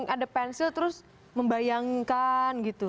ada pensil terus membayangkan gitu